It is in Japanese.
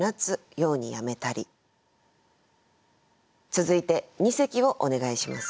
続いて二席をお願いします。